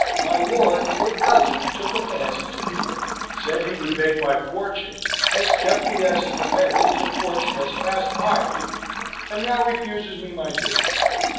My lord, your cousin, took a fancy to me, said he would make my fortune, has kept me as his dependant till fortune has passed by me, and now refuses me my due."